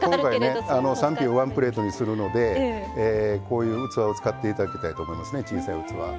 今回ね３品をワンプレートにするのでこういう器を使って頂きたいと思いますね小さい器。